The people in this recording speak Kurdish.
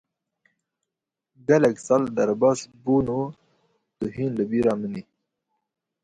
Gelek sal derbas bûn û tu hîn li bîra min î.